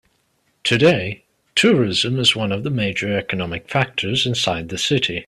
Today, tourism is one of the major economic factors inside the city.